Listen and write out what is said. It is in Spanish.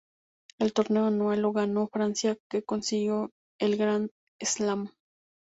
El torneo anual lo ganó Francia, que consiguió el grand slam.